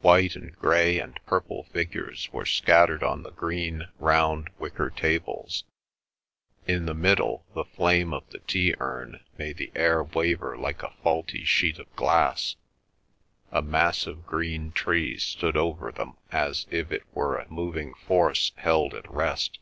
White and grey and purple figures were scattered on the green, round wicker tables, in the middle the flame of the tea urn made the air waver like a faulty sheet of glass, a massive green tree stood over them as if it were a moving force held at rest.